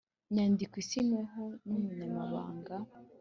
Nyandiko isinyweho n umunyamabanga